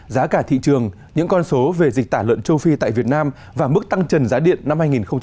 giá cả thị trường những con số về dịch tả lợn châu phi tại việt nam và mức tăng trần giá điện năm hai nghìn một mươi tám